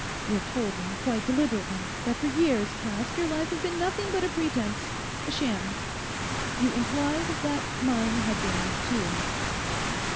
You have told me quite deliberately that for years past your life has been nothing but a pretence—a sham. You implied that mine had been too.